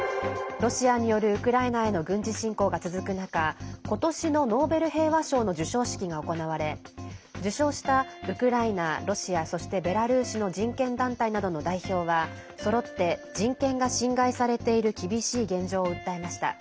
ロシアによるウクライナへの軍事侵攻が続く中今年のノーベル平和賞の授賞式が行われ受賞したウクライナ、ロシアそして、ベラルーシの人権団体などの代表はそろって人権が侵害されている厳しい現状を訴えました。